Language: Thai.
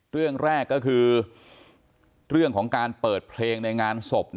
เรื่องแรกก็คือเรื่องของการเปิดเพลงในงานศพ